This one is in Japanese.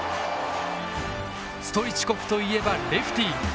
ストイチコフといえばレフティー。